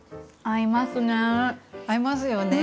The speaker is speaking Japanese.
合いますよね。